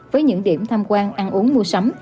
với những điểm tham quan ăn uống mua sắm